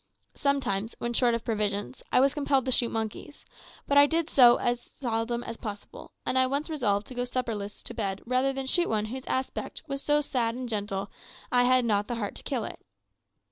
Sometimes, when short of provisions, I was compelled to shoot monkeys, but I did so as seldom as possible, and once I resolved to go supperless to bed rather than shoot one whose aspect was so sad and gentle that I had not the heart to kill it.